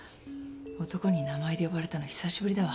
男に名前で呼ばれたの久しぶりだわ。